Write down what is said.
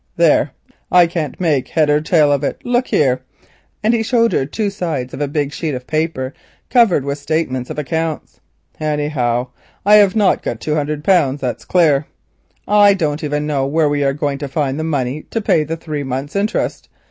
There, I can't make head or tail of it. Look here," and he showed her two sides of a big sheet of paper covered with statements of accounts. "Anyhow, I have not got two hundred, that's clear. I don't even know where we are going to find the money to pay the three months' interest.